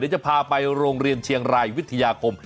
จะพาไปโรงเรียนเชียงรายวิทยาคม